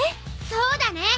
そうだね。